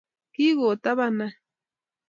Kikot taban any